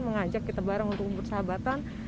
mengajak kita bareng untuk bersahabatan